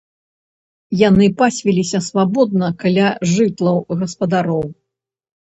Яны пасвіліся свабодна каля жытлаў гаспадароў.